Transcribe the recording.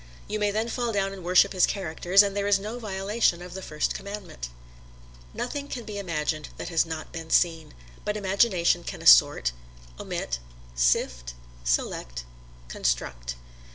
You may then fall down and worship his characters, and there is no violation of the First Commandment. Nothing can be imagined that has not been seen; but imagination can assort, omit, sift, select, construct.